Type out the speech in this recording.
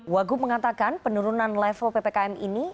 wagub mengatakan penurunan level ppkm ini